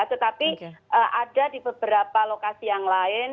tetapi ada di beberapa lokasi yang lain